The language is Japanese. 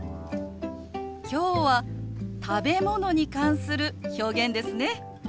今日は食べ物に関する表現ですね。